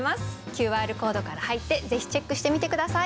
ＱＲコードから入ってぜひチェックしてみて下さい。